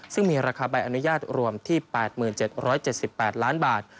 ซึ่งมีราคาใบอนุญาตรวมที่๘๗๗๘ล้านบาท